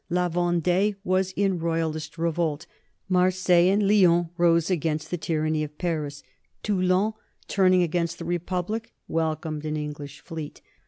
La Vendée was in Royalist revolt; Marseilles and Lyons rose against the tyranny of Paris; Toulon, turning against the Republic, welcomed an English fleet.